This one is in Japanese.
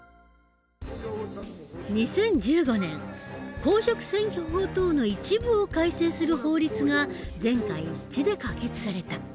２０１５年公職選挙法等の一部を改正する法律が全会一致で可決された。